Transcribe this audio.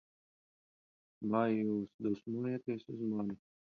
Vai jūs dusmojaties uz mani?